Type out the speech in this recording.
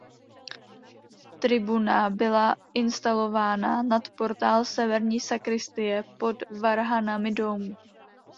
Tribuna byla instalována nad portál severní sakristie pod varhanami dómu.